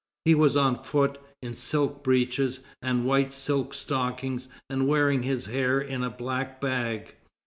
He was on foot, in silk breeches and white silk stockings, and wearing his hair in a black bag.